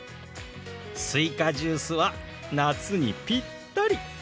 すいかジュースは夏にぴったり！